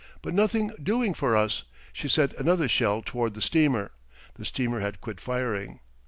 But nothing doing for us. She sent another shell toward the steamer. The steamer had quit firing.